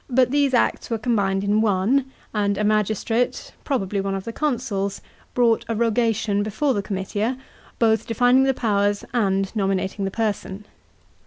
these acts were combined in one; and a magistrate, probab'y one of the consuls, brought a rogation before the comiti a, both defining the powers and nominating the person.